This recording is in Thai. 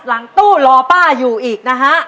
หลังตู้รอป้าอยู่อีกนะฮะ